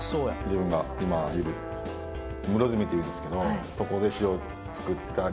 自分が今いる室積というんですけどそこで塩作ったり。